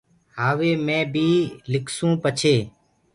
هآوي مي بيٚ لکسونٚ پڇي